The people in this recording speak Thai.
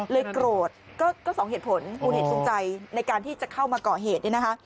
เลยโกรธก็๒เหตุผลมูลเหตุสนใจในการที่จะเข้ามาก่อเหตุ